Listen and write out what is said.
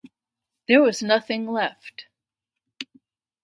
There was nothing left.